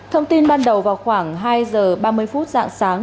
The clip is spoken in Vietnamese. thông tin ban đầu vào khoảng hai giờ ba mươi phút dạng sáng